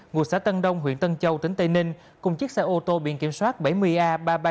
ngôi xã tân đông huyện tân châu tỉnh tây ninh cùng chiếc xe ô tô biển kiểm soát bảy mươi a ba mươi ba nghìn chín trăm ba mươi bảy